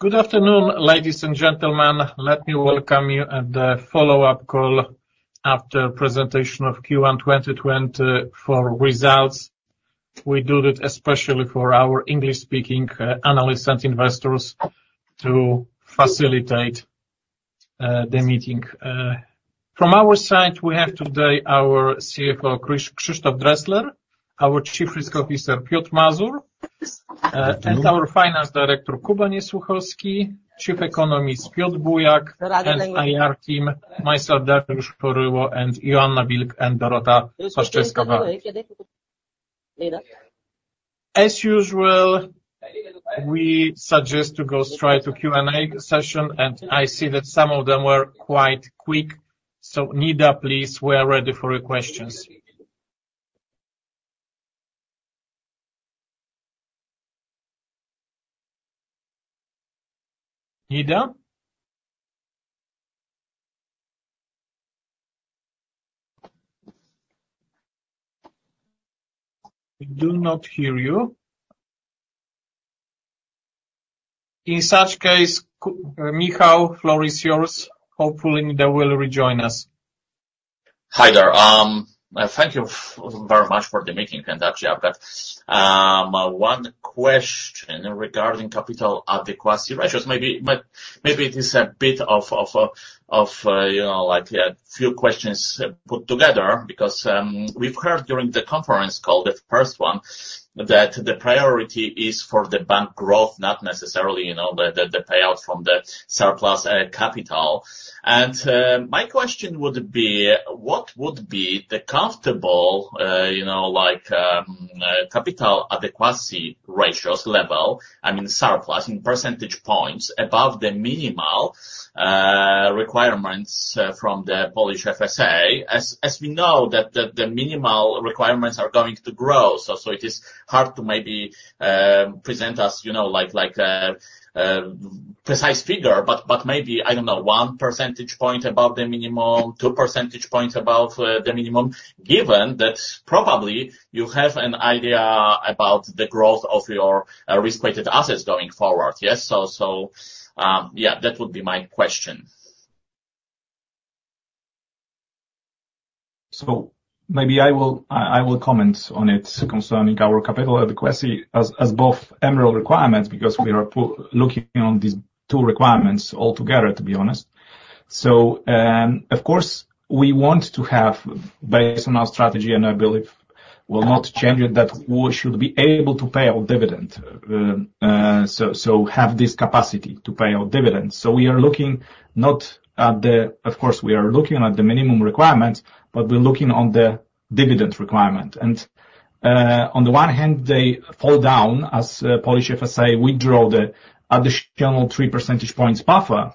Good afternoon, ladies and gentlemen. Let me welcome you at the follow-up call after presentation of Q1 2024 results. We do it especially for our English-speaking analysts and investors to facilitate the meeting. From our side, we have today our CFO, Krzysztof Dresler, our Chief Risk Officer, Piotr Mazur. Hello. and our Finance Director, Jakub Niesłuchowski, Chief Economist, Piotr Bujak, and IR team, myself, Dariusz Choryło, and Joanna Wilk, and Dorota Pszczółkowska. As usual, we suggest to go straight to Q&A session, and I see that some of them were quite quick. So Nida, please, we are ready for your questions. Nida? We do not hear you. In such case, Michał, floor is yours. Hopefully, Nida will rejoin us. Hi there. Thank you very much for the meeting, and actually, I've got one question regarding capital adequacy ratios. Maybe it is a bit of, you know, like, a few questions put together, because we've heard during the conference call, the first one, that the priority is for the bank growth, not necessarily, you know, the payout from the surplus capital. My question would be: What would be the comfortable, you know, like, capital adequacy ratios level, I mean, surplus, in percentage points above the minimal requirements from the Polish FSA, as we know, that the minimal requirements are going to grow, so it is hard to maybe present as, you know, like, a precise figure, but maybe, I don't know, one percentage point above the minimum, two percentage points above the minimum, given that probably you have an idea about the growth of your risk-weighted assets going forward. Yes, so, yeah, that would be my question. So maybe I will comment on it concerning our capital adequacy as both MREL requirements, because we are looking on these two requirements altogether, to be honest. So, of course, we want to have, based on our strategy, and I believe will not change it, that we should be able to pay our dividend, so have this capacity to pay our dividends. So we are looking not at the... Of course, we are looking at the minimum requirements, but we're looking on the dividend requirement. And, on the one hand, they fall down as Polish FSA withdraw the additional three percentage points buffer,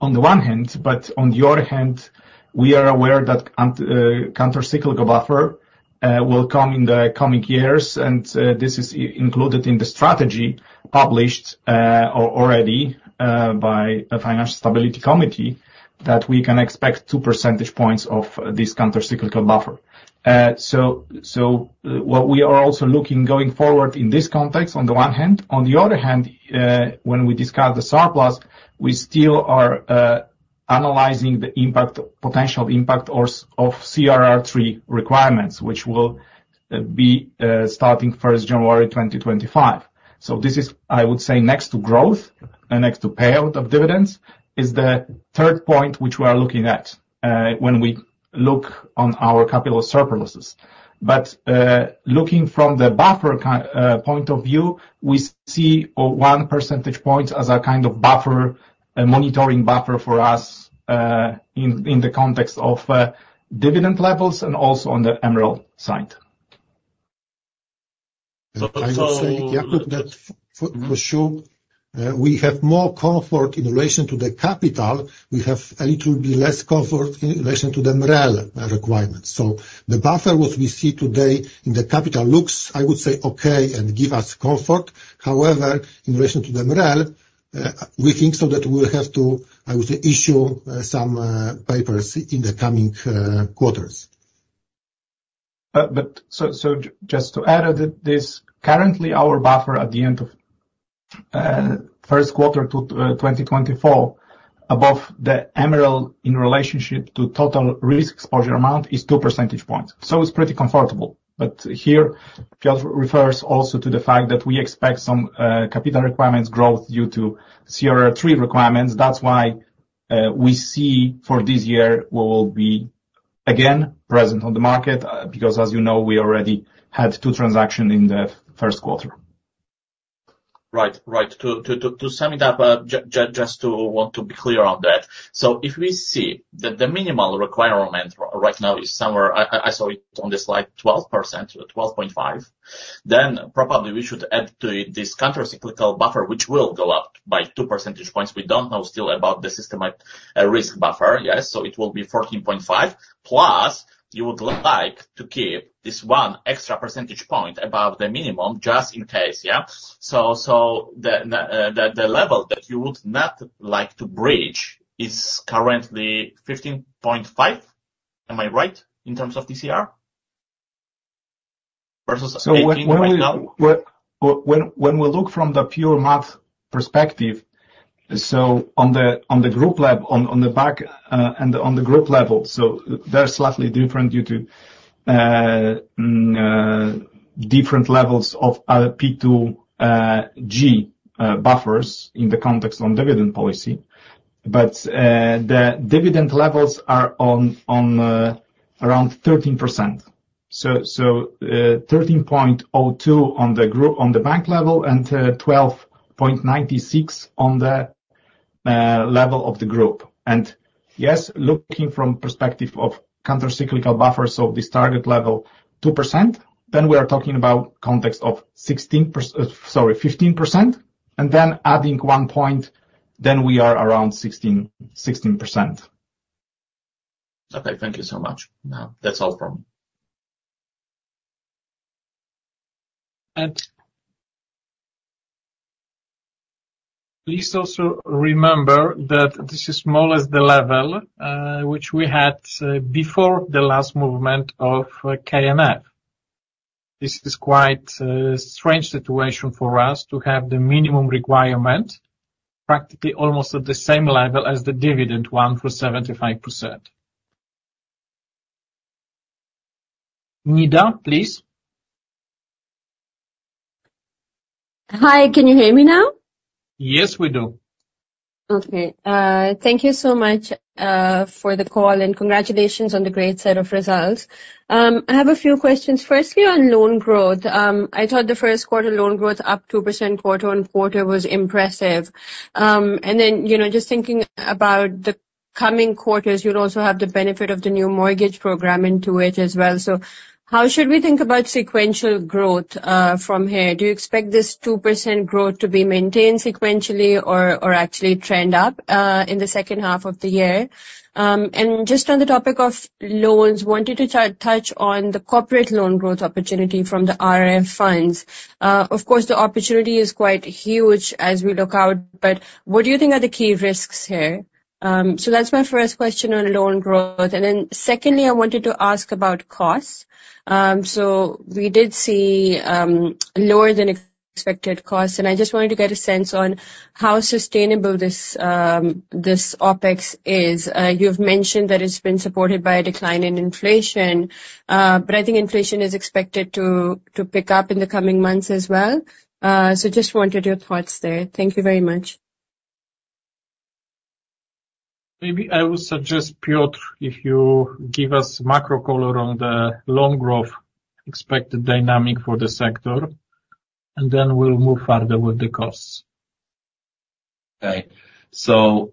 on the one hand, but on the other hand, we are aware that countercyclical buffer will come in the coming years. This is included in the strategy published already by a Financial Stability Committee, that we can expect two percentage points of this countercyclical buffer. So what we are also looking going forward in this context, on the one hand, on the other hand, when we discuss the surplus, we still are analyzing the impact, potential impact of CRR III requirements, which will be starting 1 January 2025. So this is, I would say, next to growth and next to payout of dividends, the third point which we are looking at when we look on our capital surpluses. Looking from the buffer point of view, we see one percentage point as a kind of buffer, a monitoring buffer for us, in the context of dividend levels and also on the MREL side. So I would say, yeah, that for sure, we have more comfort in relation to the capital. We have a little bit less comfort in relation to the MREL requirements. So the buffer what we see today in the capital looks, I would say, okay and give us comfort. However, in relation to the MREL, we think so that we'll have to, I would say, issue some papers in the coming quarters. But so, to add a little to this, currently, our buffer at the end of first quarter to 2024, above the MREL in relationship to total risk exposure amount, is two percentage points. So it's pretty comfortable. But here, Piotr refers also to the fact that we expect some capital requirements growth due to CRR III requirements. That's why, we see for this year, we will be again present on the market, because as you know, we already had two transactions in the first quarter. Right. Right. To sum it up, just to want to be clear on that: So if we see that the minimal requirement right now is somewhere, I saw it on the slide, 12%, 12.5, then probably we should add to it this countercyclical buffer, which will go up by two percentage points. We don't know still about the systemic risk buffer, yes, so it will be 14.5. Plus, you would like to keep this one extra percentage point above the minimum, just in case, yeah? So, the level that you would not like to bridge is currently 15.5. Am I right in terms of the CR?... So when we look from the pure math perspective, so on the group level, on the bank, and on the group level, so they're slightly different due to different levels of P2G buffers in the context on dividend policy. But the dividend levels are on around 13%. So 13.02 on the group- on the bank level, and 12.96 on the level of the group. And yes, looking from perspective of countercyclical buffers, so this target level 2%, then we are talking about context of 16% - sorry, 15%, and then adding 1 point, then we are around 16, 16%. Okay, thank you so much. Now, that's all from me. And please also remember that this is small as the level, which we had, before the last movement of the KNF. This is quite strange situation for us to have the minimum requirement, practically almost at the same level as the dividend one for 75%. Nida, please. Hi, can you hear me now? Yes, we do. Okay, thank you so much for the call, and congratulations on the great set of results. I have a few questions. Firstly, on loan growth. I thought the first quarter loan growth, up 2% quarter-over-quarter, was impressive. And then, you know, just thinking about the coming quarters, you'll also have the benefit of the new mortgage program into it as well. So how should we think about sequential growth from here? Do you expect this 2% growth to be maintained sequentially or actually trend up in the second half of the year? And just on the topic of loans, wanted to touch on the corporate loan growth opportunity from the RF funds. Of course, the opportunity is quite huge as we look out, but what do you think are the key risks here? So that's my first question on loan growth. And then secondly, I wanted to ask about costs. So we did see lower than expected costs, and I just wanted to get a sense on how sustainable this this OpEx is. You've mentioned that it's been supported by a decline in inflation, but I think inflation is expected to pick up in the coming months as well. So just wanted your thoughts there. Thank you very much. Maybe I would suggest, Piotr, if you give us macro color on the loan growth expected dynamic for the sector, and then we'll move further with the costs. Okay. So,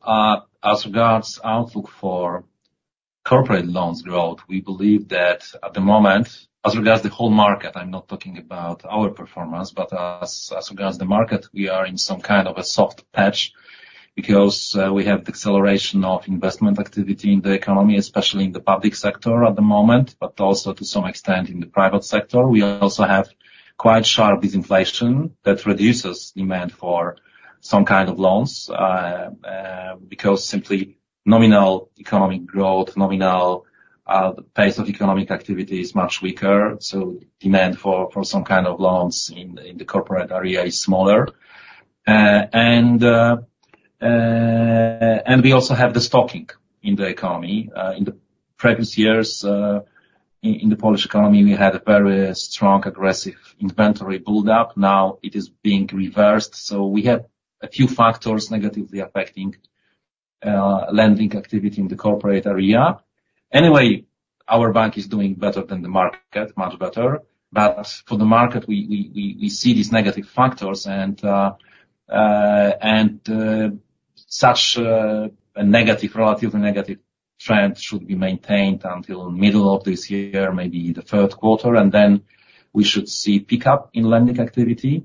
as regards outlook for corporate loans growth, we believe that at the moment, as regards the whole market, I'm not talking about our performance, but as regards the market, we are in some kind of a soft patch because we have the acceleration of investment activity in the economy, especially in the public sector at the moment, but also to some extent, in the private sector. We also have quite sharp disinflation that reduces demand for some kind of loans because simply nominal economic growth, nominal, the pace of economic activity is much weaker, so demand for some kind of loans in the corporate area is smaller. And we also have the stocking in the economy. In the previous years, in the Polish economy, we had a very strong, aggressive inventory buildup. Now, it is being reversed, so we have a few factors negatively affecting lending activity in the corporate area. Anyway, our bank is doing better than the market, much better. But for the market, we see these negative factors, and such a negative, relatively negative trend should be maintained until middle of this year, maybe the third quarter, and then we should see pickup in lending activity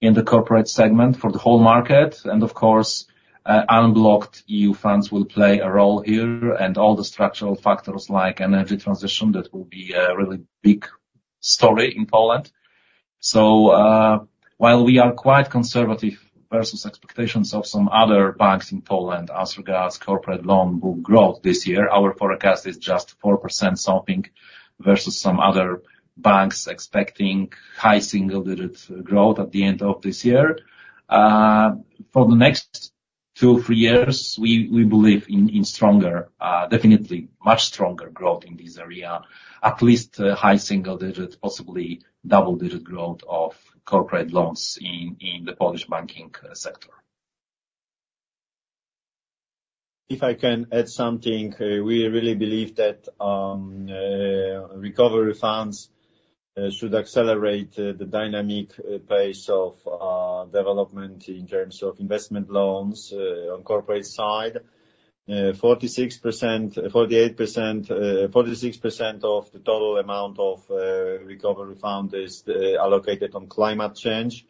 in the corporate segment for the whole market. And of course, unblocked EU funds will play a role here, and all the structural factors like energy transition, that will be a really big story in Poland. While we are quite conservative versus expectations of some other banks in Poland as regards corporate loan book growth this year, our forecast is just 4% something, versus some other banks expecting high single-digit growth at the end of this year. For the next two, three years, we believe in stronger, definitely much stronger growth in this area, at least high single digit, possibly double-digit growth of corporate loans in the Polish banking sector. If I can add something, we really believe that recovery funds should accelerate the dynamic pace of development in terms of investment loans on corporate side. 46%, 48%, 46% of the total amount of recovery fund is allocated on climate change.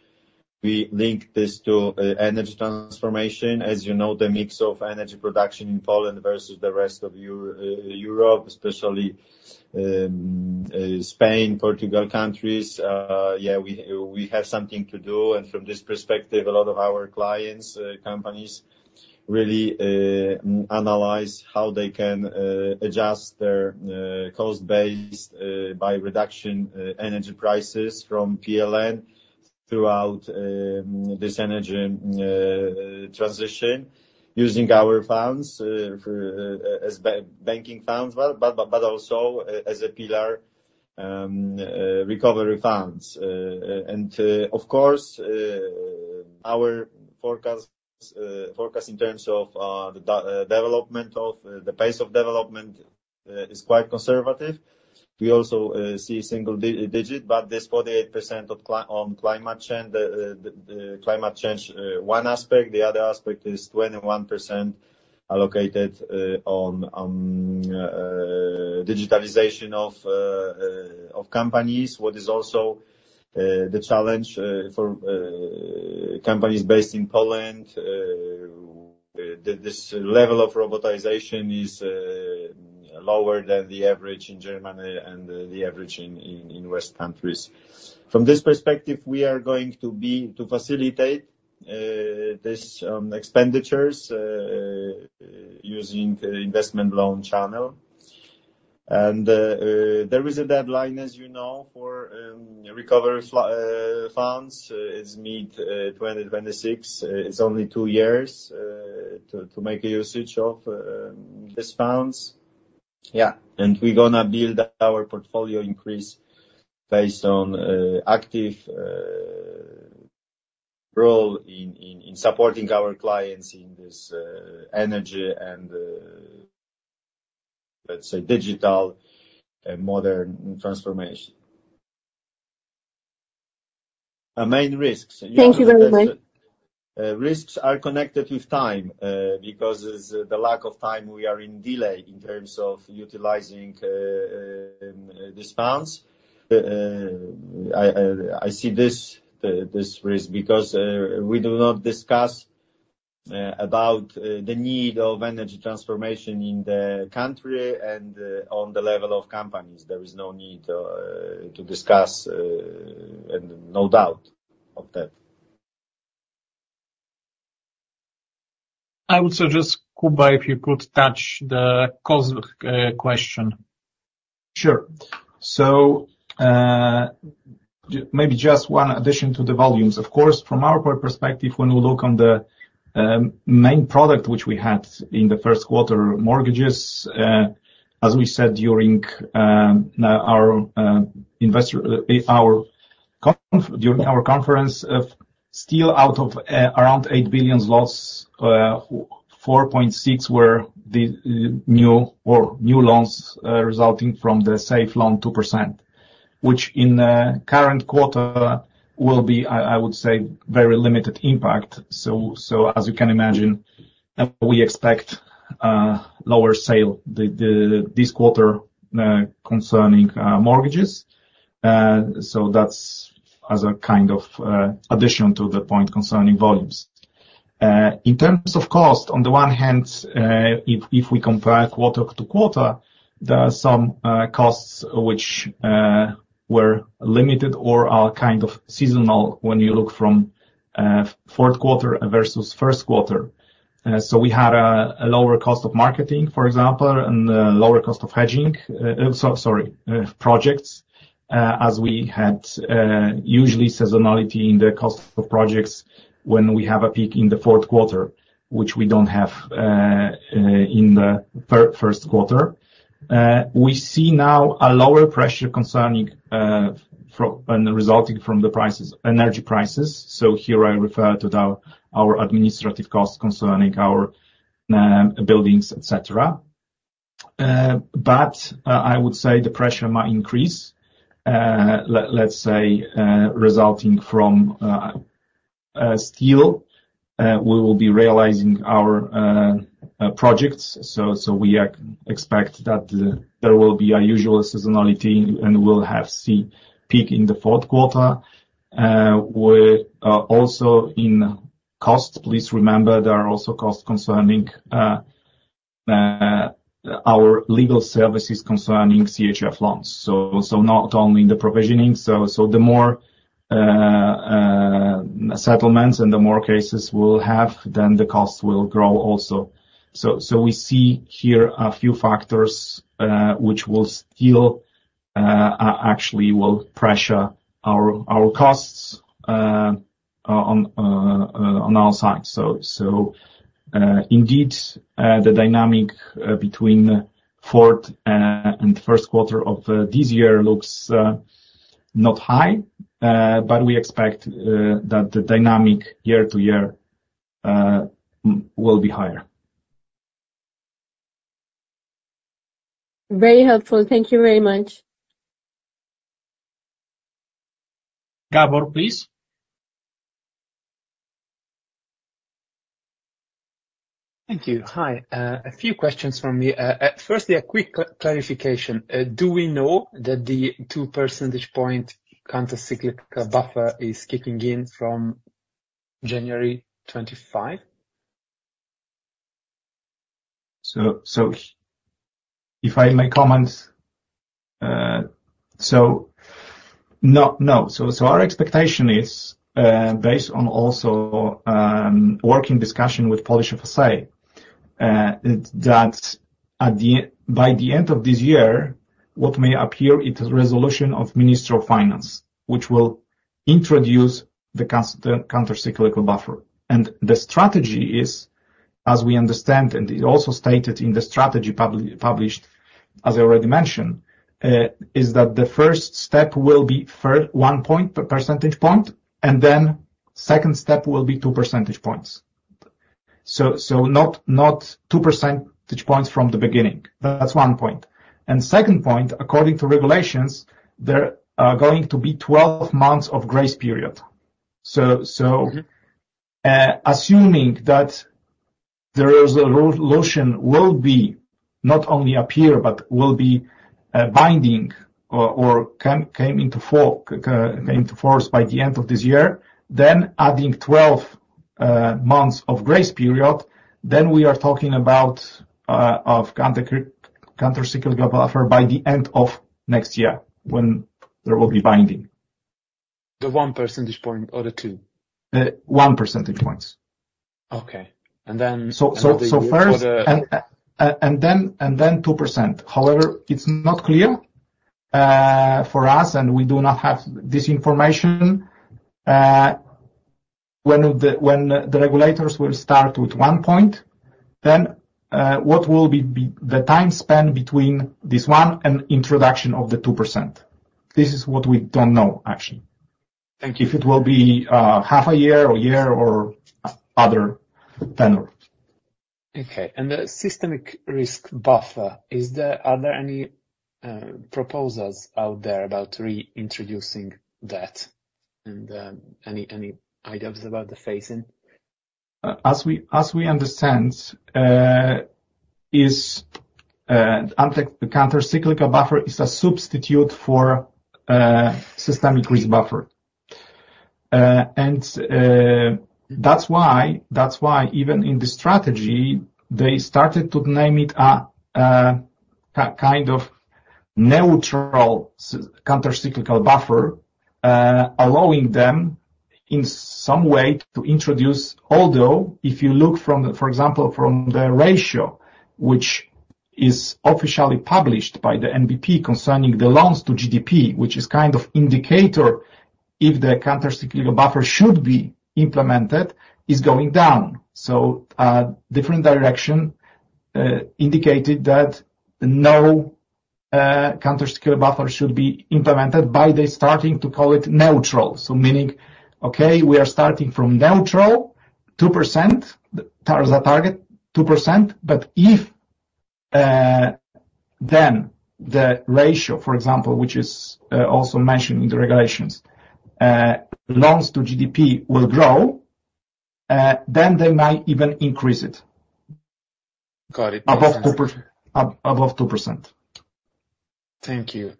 We link this to energy transformation. As you know, the mix of energy production in Poland versus the rest of Europe, especially Spain, Portugal, countries. Yeah, we have something to do. And from this perspective, a lot of our clients, companies really analyze how they can.... adjust their cost base by reduction energy prices from PLN throughout this energy transition, using our funds for as banking funds, but also as a pillar recovery funds. And of course, our forecast in terms of the development of the pace of development is quite conservative. We also see single digit, but there's 48% on climate change, the climate change one aspect. The other aspect is 21% allocated on digitalization of of companies, what is also the challenge for companies based in Poland. This level of robotization is lower than the average in Germany and the average in western countries. From this perspective, we are going to facilitate this expenditures using investment loan channel. And there is a deadline, as you know, for recovery funds. It's mid-2026. It's only two years to make a usage of these funds. Yeah, and we're gonna build our portfolio increase based on active role in supporting our clients in this energy and, let's say, digital and modern transformation. Our main risks- Thank you very much. Risks are connected with time, because as the lack of time, we are in delay in terms of utilizing these funds. I see this risk because we do not discuss about the need of energy transformation in the country and on the level of companies. There is no need to discuss and no doubt of that. I would suggest, Kuba, if you could touch the cost question. Sure. So, maybe just one addition to the volumes. Of course, from our perspective, when we look on the main product which we had in the first quarter, mortgages, as we said during our investor conference, still out of around PLN 8 billion loss, 4.6 were the new loans resulting from the Safe Loan 2%, which in current quarter will be, I would say, very limited impact. So as you can imagine, we expect lower sales this quarter concerning mortgages. So that's as a kind of addition to the point concerning volumes. In terms of cost, on the one hand, if we compare quarter to quarter, there are some costs which were limited or are kind of seasonal when you look from fourth quarter versus first quarter. So we had a lower cost of marketing, for example, and a lower cost of hedging. So, projects, as we had usually seasonality in the cost of projects when we have a peak in the fourth quarter, which we don't have in the first quarter. We see now a lower pressure concerning and resulting from the prices, energy prices. So here I refer to our administrative costs concerning our buildings, et cetera. But I would say the pressure might increase, let's say, resulting from steel. We will be realizing our projects, so we expect that there will be unusual seasonality, and we'll have a peak in the fourth quarter. We're also in costs. Please remember, there are also costs concerning our legal services concerning CHF loans, so not only the provisioning. So the more settlements and the more cases we'll have, then the costs will grow also. So we see here a few factors which will still actually pressure our costs on our side. So indeed the dynamic between fourth and first quarter of this year looks not high, but we expect that the dynamic year-to-year will be higher. Very helpful. Thank you very much. Gabor, please. Thank you. Hi, a few questions from me. Firstly, a quick clarification. Do we know that the 2 percentage point countercyclical buffer is kicking in from January 2025? So, if I, my comments-... So, no, no. So, so our expectation is, based on also, working discussion with Polish FSA, that at the, by the end of this year, what may appear is a resolution of Minister of Finance, which will introduce the countercyclical buffer. And the strategy is, as we understand, and is also stated in the strategy publicly published, as I already mentioned, is that the first step will be for 1 percentage point, and then second step will be 2 percentage points. So, so not, not 2 percentage points from the beginning. That's 1 point. And second point, according to regulations, there are going to be 12 months of grace period. So, so- Mm-hmm. Assuming that the resolution will be not only appear, but will be binding or come into force by the end of this year, then adding 12 months of grace period, then we are talking about of countercyclical buffer by the end of next year, when there will be binding. The one percentage point or the two? 1 percentage points. Okay. And then- First- For the- And then 2%. However, it's not clear for us, and we do not have this information, when the regulators will start with 1%, then what will be the time span between this one and introduction of the 2%? This is what we don't know, actually. Thank you. If it will be half a year or year or other tenure. Okay. And the Systemic Risk Buffer, are there any proposals out there about reintroducing that, and any ideas about the phase-in? As we understand, the countercyclical buffer is a substitute for systemic risk buffer. And that's why, even in the strategy, they started to name it a kind of neutral countercyclical buffer, allowing them in some way to introduce. Although, if you look, for example, from the ratio, which is officially published by the NBP concerning the loans to GDP, which is kind of indicator if the countercyclical buffer should be implemented, is going down. So, different direction indicated that no countercyclical buffer should be implemented by starting to call it neutral. So meaning, okay, we are starting from neutral, 2%, the target, 2%. But if then the ratio, for example, which is also mentioned in the regulations, loans to GDP will grow, then they might even increase it. Got it. Above 2%. Thank you.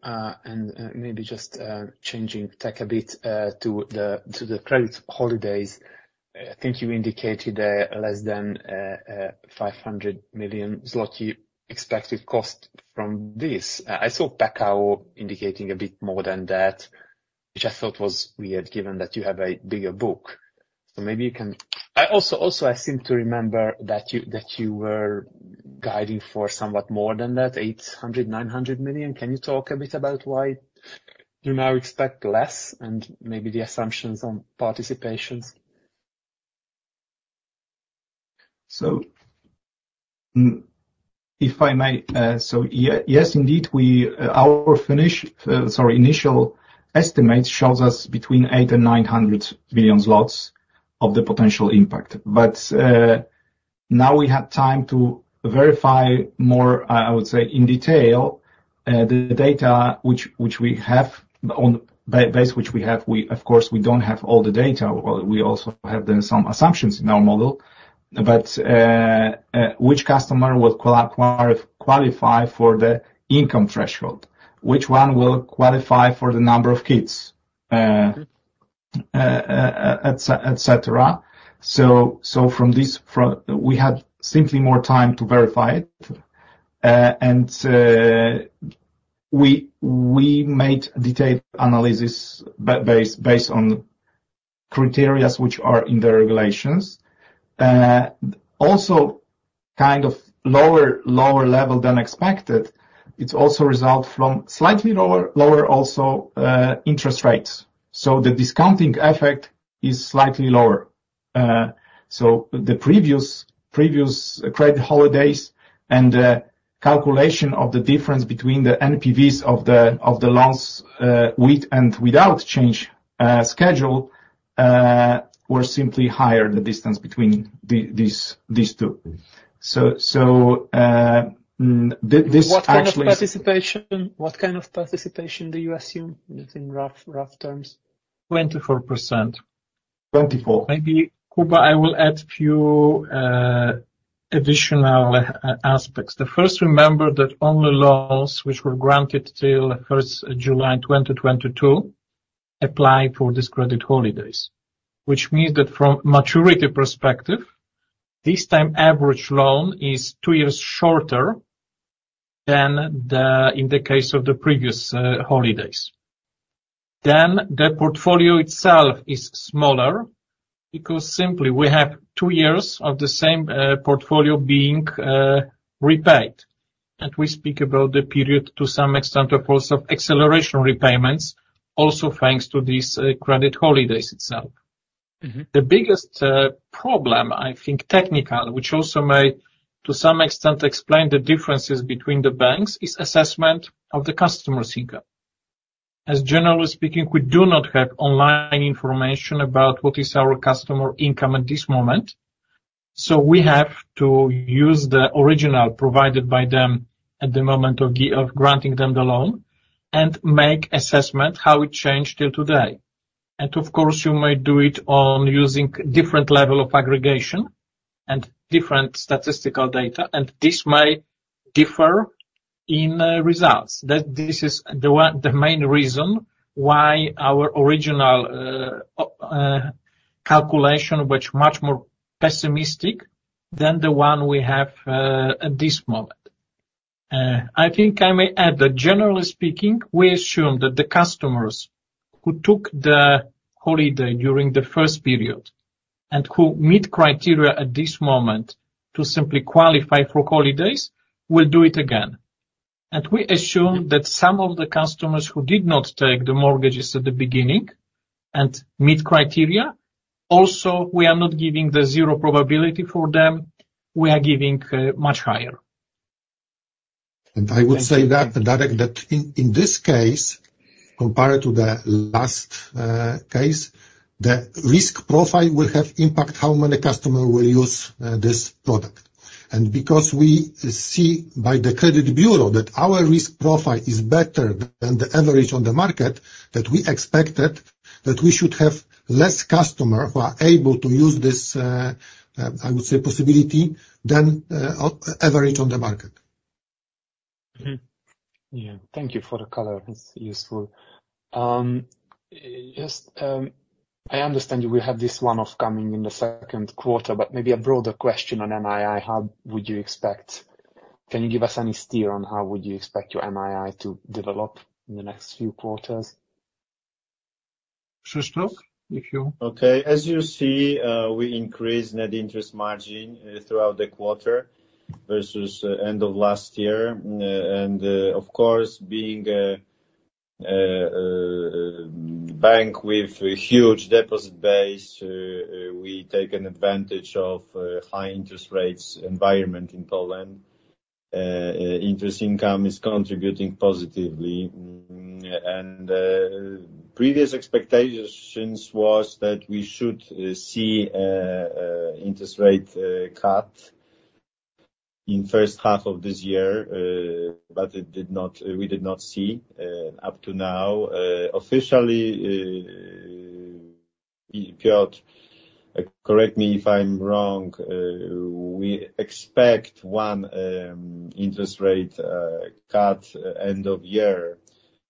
Maybe just changing tack a bit to the credit holidays. I think you indicated less than 500 million zloty expected cost from this. I saw Pekao indicating a bit more than that, which I thought was weird, given that you have a bigger book. So maybe you can. I also seem to remember that you were guiding for somewhat more than that, 800 million-900 million. Can you talk a bit about why you now expect less, and maybe the assumptions on participations? So, if I may, yes, indeed, our initial estimate shows us between 800-900 million zlotys of the potential impact. But now we have time to verify more, I would say, in detail, the data which we have on the basis which we have. We of course don't have all the data, and we also have done some assumptions in our model. But which customer would qualify for the income threshold? Which one will qualify for the number of kids? Et cetera. So from this, we had simply more time to verify it. And we made detailed analysis based on criteria which are in the regulations. Also, kind of lower level than expected, it's also result from slightly lower also interest rates. So the discounting effect is slightly lower. So the previous credit holidays and calculation of the difference between the NPVs of the loans with and without change schedule were simply higher, the distance between these two. This actually- What kind of participation, what kind of participation do you assume, just in rough, rough terms? Twenty-four percent. Twenty-four. Maybe, Kuba, I will add a few additional aspects. First, remember that only loans which were granted till July 1, 2022, apply for these credit holidays. Which means that from maturity perspective, this time, average loan is two years shorter than in the case of the previous holidays. Then the portfolio itself is smaller, because simply we have two years of the same portfolio being repaid. And we speak about the period to some extent, of course, of acceleration repayments, also thanks to these credit holidays itself. Mm-hmm. The biggest problem, I think, technical, which also may, to some extent, explain the differences between the banks, is assessment of the customer's income. As generally speaking, we do not have online information about what is our customer income at this moment, so we have to use the original provided by them at the moment of granting them the loan, and make assessment how it changed till today. Of course, you may do it on using different level of aggregation and different statistical data, and this may differ in results. That this is the one, the main reason why our original calculation was much more pessimistic than the one we have at this moment. I think I may add that generally speaking, we assume that the customers who took the holiday during the first period, and who meet criteria at this moment to simply qualify for holidays, will do it again. We assume that some of the customers who did not take the mortgages at the beginning, and meet criteria, also, we are not giving the zero probability for them, we are giving much higher. And I would say that, Darek, that in, in this case, compared to the last case, the risk profile will have impact how many customer will use this product. And because we see by the credit bureau that our risk profile is better than the average on the market, that we expected that we should have less customer who are able to use this, I would say, possibility, than average on the market. Mm-hmm. Yeah, thank you for the color. It's useful. Just, I understand you will have this one-off coming in the second quarter, but maybe a broader question on NII. How would you expect... Can you give us any steer on how would you expect your NII to develop in the next few quarters? Krzysztof, if you- Okay. As you see, we increased net interest margin throughout the quarter versus end of last year. And, of course, being a bank with a huge deposit base, we taken advantage of high interest rates environment in Poland. Interest income is contributing positively. And previous expectations was that we should see interest rate cut in first half of this year, but we did not see up to now. Officially, Piotr, correct me if I'm wrong, we expect one interest rate cut end of year,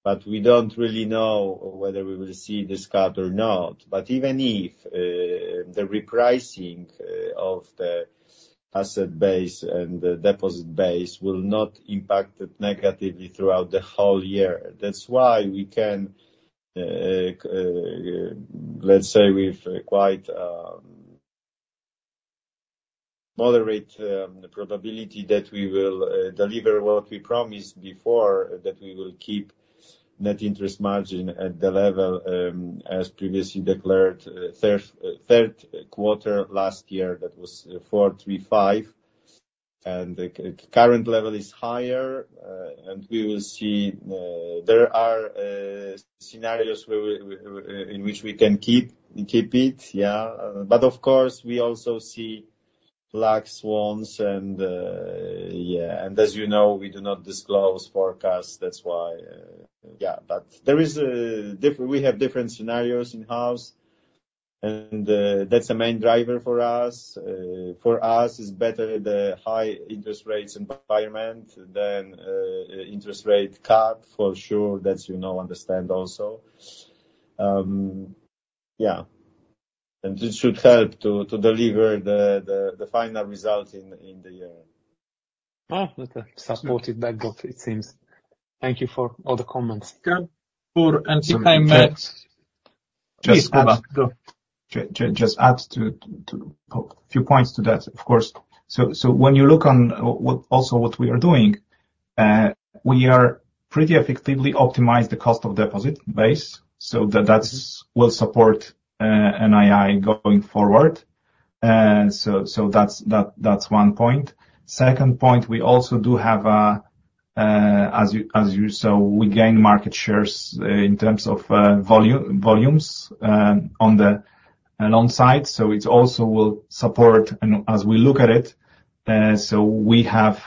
but we don't really know whether we will see this cut or not. But even if the repricing of the asset base and the deposit base will not impact it negatively throughout the whole year. That's why we can, let's say with quite moderate probability, that we will deliver what we promised before, that we will keep net interest margin at the level as previously declared, third quarter last year, that was 435 bps. And the current level is higher, and we will see. There are scenarios in which we can keep it, yeah. But of course, we also see black swans, and yeah, and as you know, we do not disclose forecasts. That's why... Yeah, but there is a difference. We have different scenarios in-house, and that's the main driver for us. For us, it's better the high interest rates environment than interest rate cut, for sure. That you now understand also. Yeah, this should help to deliver the final result in the year. Oh, okay. Supported by both, it seems. Thank you for all the comments. Yeah, sure. And if I may- Just add to a few points to that, of course. So when you look at what we are doing also, we are pretty effectively optimize the cost of deposit base, so that will support NII going forward. So that's one point. Second point, we also do have, as you saw, we gain market shares in terms of volumes on the loan side, so it also will support, and as we look at it, so we have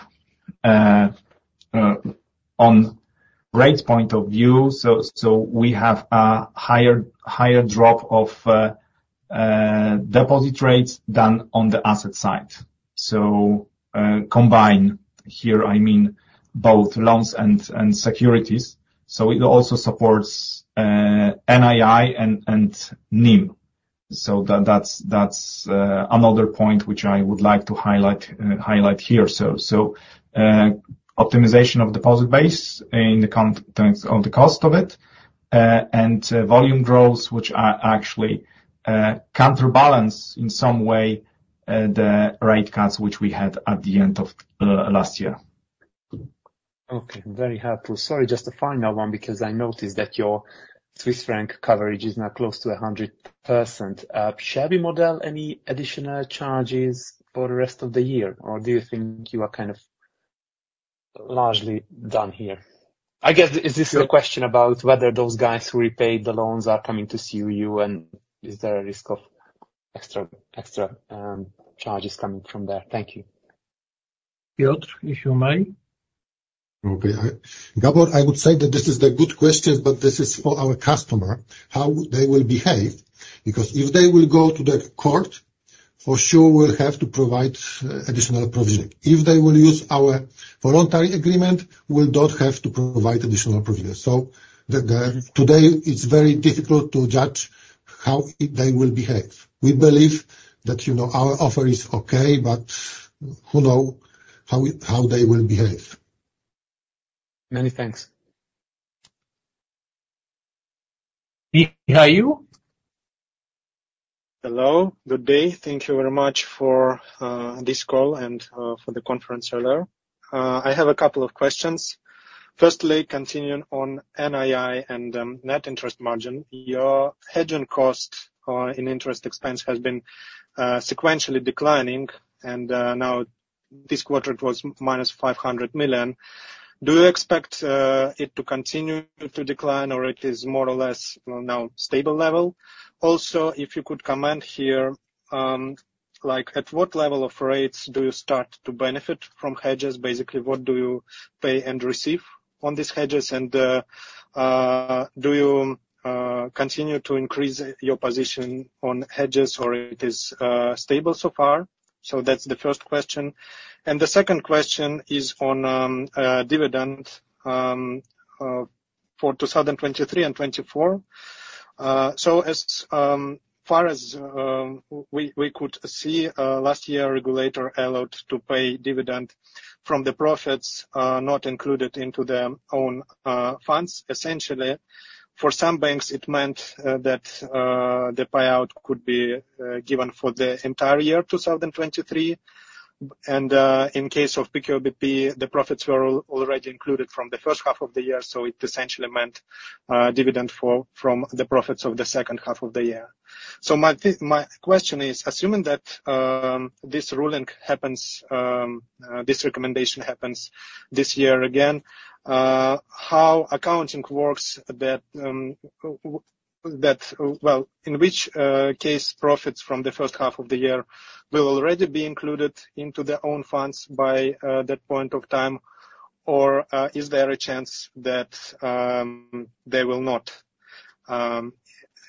on rate point of view, so we have a higher drop of deposit rates than on the asset side.... so, combine, here I mean both loans and securities. So it also supports NII and NIM. So that's another point which I would like to highlight here. So optimization of deposit base and the cost of it and volume growth, which actually counterbalance in some way the rate cuts, which we had at the end of last year. Okay, very helpful. Sorry, just a final one, because I noticed that your Swiss franc coverage is now close to 100%. Shall we model any additional charges for the rest of the year, or do you think you are kind of largely done here? I guess, is this the question about whether those guys who repaid the loans are coming to see you, and is there a risk of extra, extra, charges coming from there? Thank you. Piotr, if you may. Okay, Gabor, I would say that this is a good question, but this is for our customer, how they will behave. Because if they will go to the court, for sure we'll have to provide additional provision. If they will use our voluntary agreement, we'll not have to provide additional provision. So today, it's very difficult to judge how they will behave. We believe that, you know, our offer is okay, but who know how they will behave? Many thanks. Mihail? Hello, good day. Thank you very much for this call and for the conference earlier. I have a couple of questions. Firstly, continuing on NII and net interest margin, your hedging cost in interest expense has been sequentially declining, and now this quarter it was -500 million. Do you expect it to continue to decline, or it is more or less, you know, now stable level? Also, if you could comment here, like, at what level of rates do you start to benefit from hedges? Basically, what do you pay and receive on these hedges? And do you continue to increase your position on hedges, or it is stable so far? So that's the first question. And the second question is on dividend for 2023 and 2024. So as far as we could see, last year, regulator allowed to pay dividend from the profits not included into their own funds. Essentially, for some banks it meant that the payout could be given for the entire year, 2023. And in case of PKO BP, the profits were already included from the first half of the year, so it essentially meant dividend from the profits of the second half of the year. So my question is, assuming that this ruling happens, this recommendation happens this year again, how accounting works that, well, in which case profits from the first half of the year will already be included into their own funds by that point of time? Or, is there a chance that they will not?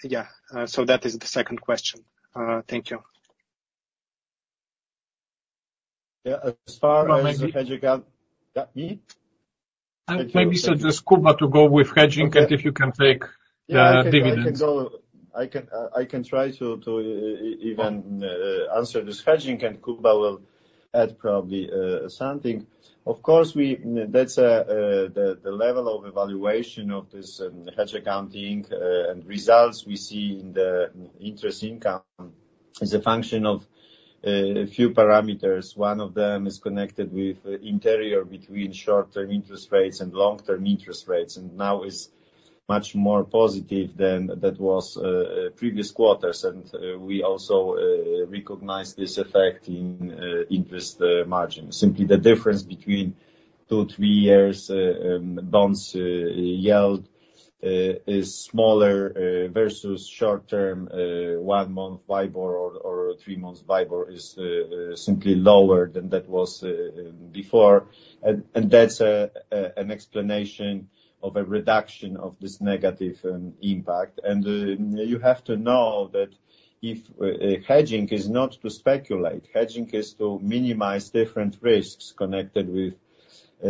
Yeah, so that is the second question. Thank you. Yeah, as far as the hedge accounting. Yeah, me? Maybe suggest Kuba to go with hedging, and if you can take dividends. Yeah, I can go, I can try to even answer this hedging, and Kuba will add probably something. Of course, we, that's the level of evaluation of this hedge accounting and results we see in the interest income is a function of a few parameters. One of them is connected with interior between short-term interest rates and long-term interest rates, and now is much more positive than that was previous quarters. We also recognize this effect in interest margin. Simply the difference between two, three years bonds yield is smaller versus short-term one-month WIBOR or three months WIBOR is simply lower than that was before. That's an explanation of a reduction of this negative impact. You have to know that if hedging is not to speculate, hedging is to minimize different risks connected with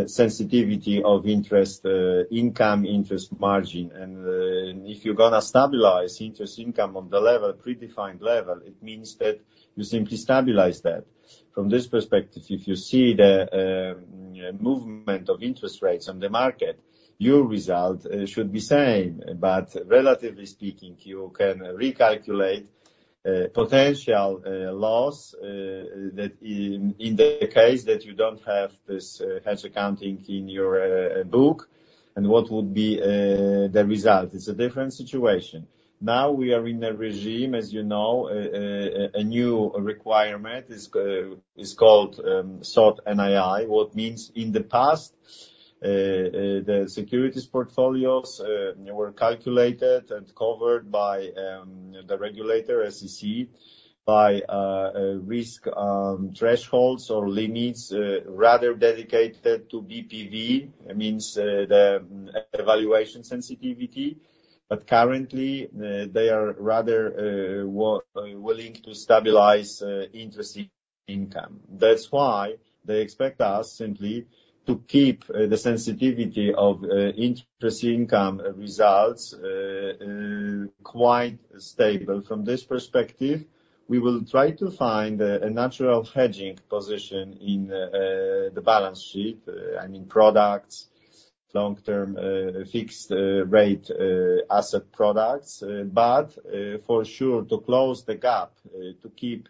sensitivity of interest income, interest margin. If you're gonna stabilize interest income on the level, predefined level, it means that you simply stabilize that. From this perspective, if you see the movement of interest rates on the market, your result should be same. But relatively speaking, you can recalculate potential loss that in the case that you don't have this hedge accounting in your book, and what would be the result? It's a different situation. Now we are in a regime, as you know, a new requirement is called SOT NII, what means in the past the securities portfolios were calculated and covered by the regulator, SEC, by a risk thresholds or limits rather dedicated to BPV, means the evaluation sensitivity. But currently, they are rather willing to stabilize interest income.... income. That's why they expect us simply to keep the sensitivity of interest income results quite stable. From this perspective, we will try to find a natural hedging position in the balance sheet, I mean, products, long-term fixed rate asset products. But for sure, to close the gap, to keep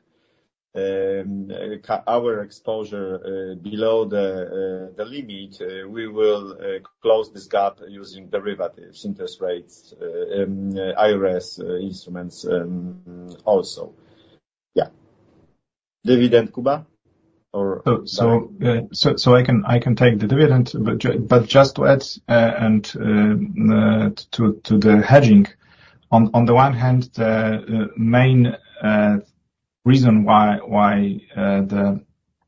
our exposure below the limit, we will close this gap using derivatives, interest rates IRS instruments also. Yeah. Dividend, Kuba, or? So I can take the dividend. But just to add, and to the hedging, on the one hand, the main reason why the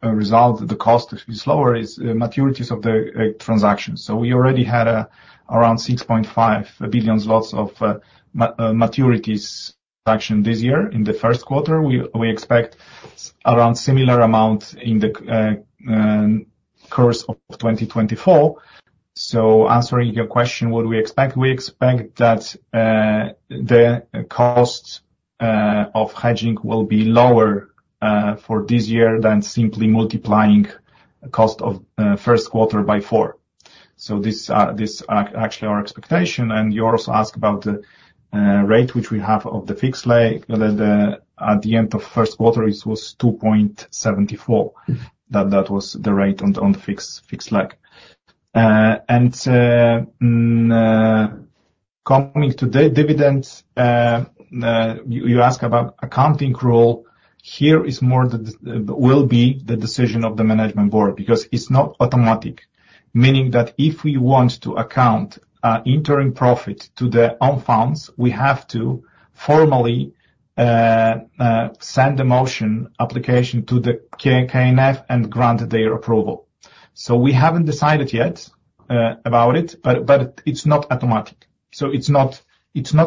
result, the cost is lower, is maturities of the transaction. So we already had around 6.5 billion zlotys of maturities this year. In the first quarter, we expect around similar amount in the course of 2024. So answering your question, what we expect? We expect that the cost of hedging will be lower for this year than simply multiplying cost of first quarter by 4. So this are actually our expectation. And you also ask about the rate which we have of the fixed leg. At the end of first quarter, it was 2.74%. That was the rate on the fixed lag. Coming to the dividends, you ask about accounting rule. Here is more the will be the decision of the management board, because it's not automatic. Meaning that if we want to account interim profit to their own funds, we have to formally send a motion application to the KNF and grant their approval. So we haven't decided yet about it, but it's not automatic. So it's not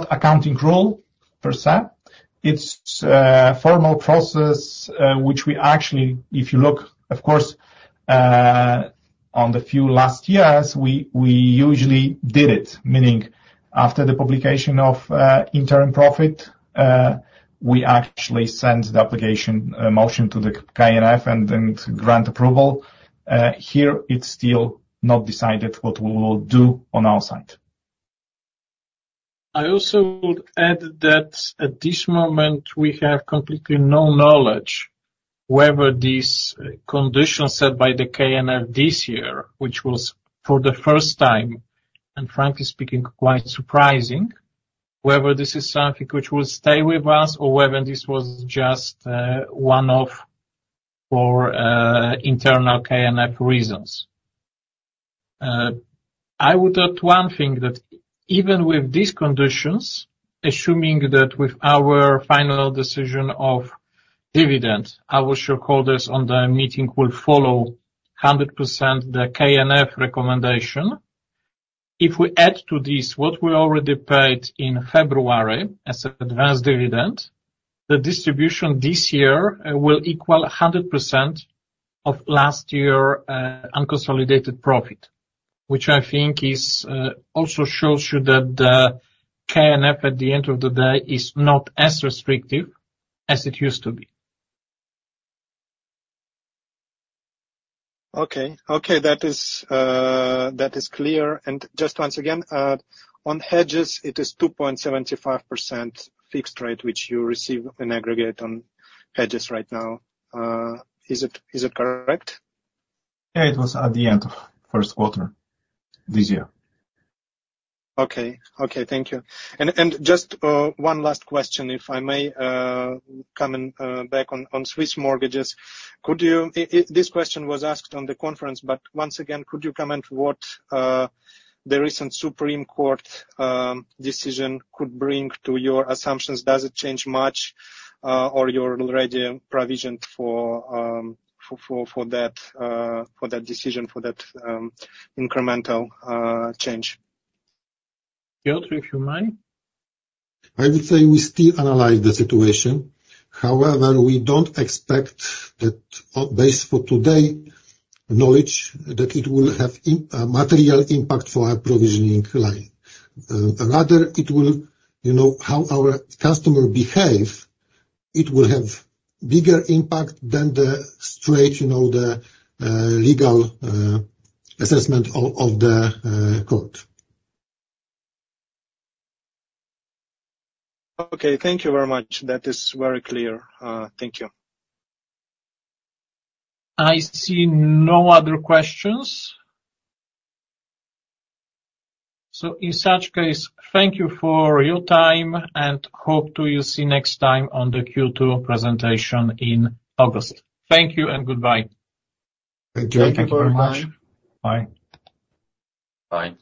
accounting rule, per se. It's a formal process, which we actually, if you look, of course, on the few last years, we usually did it, meaning after the publication of interim profit, we actually send the application, motion to the KNF and grant approval. Here, it's still not decided what we will do on our side. I also would add that at this moment, we have completely no knowledge whether these conditions set by the KNF this year, which was for the first time, and frankly speaking, quite surprising, whether this is something which will stay with us or whether this was just one-off for internal KNF reasons. I would add one thing, that even with these conditions, assuming that with our final decision of dividend, our shareholders on the meeting will follow 100% the KNF recommendation. If we add to this what we already paid in February as an advanced dividend, the distribution this year will equal 100% of last year unconsolidated profit, which I think is also shows you that the KNF, at the end of the day, is not as restrictive as it used to be. Okay. Okay, that is clear. And just once again, on hedges, it is 2.75% fixed rate, which you receive in aggregate on hedges right now. Is it correct? Yeah, it was at the end of first quarter this year. Okay. Okay, thank you. And just one last question, if I may, coming back on Swiss mortgages. Could you... This question was asked on the conference, but once again, could you comment what the recent Supreme Court decision could bring to your assumptions? Does it change much, or you're already provisioned for that decision, for that incremental change? Piotr, if you mind? I would say we still analyze the situation. However, we don't expect that on the basis of today's knowledge, that it will have material impact for our provisioning line. Rather it will, you know, how our customers behave, it will have bigger impact than the straight, you know, the legal assessment of the court. Okay, thank you very much. That is very clear. Thank you. I see no other questions. So in such case, thank you for your time, and hope to see you next time on the Q2 presentation in August. Thank you and goodbye. Thank you. Thank you very much. Bye. Bye.